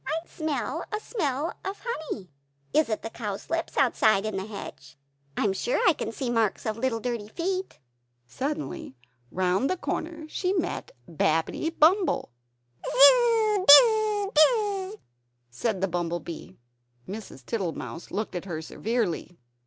"I smell a smell of honey; is it the cowslips outside, in the hedge? I am sure I can see the marks of little dirty feet." Suddenly round a corner, she met Babbitty Bumble "Zizz, Bizz, Bizzz!" said the bumble bee. Mrs. Tittlemouse looked at her severely.